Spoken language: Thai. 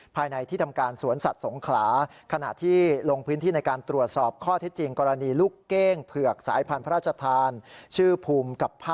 ภายในที่ทำการสชทธิสวนสัตว์สงขลา